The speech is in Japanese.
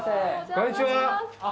こんにちは。